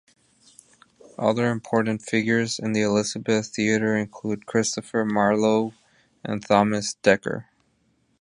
Other important figures in the Elizabethan theatre include Christopher Marlowe, and Thomas Dekker.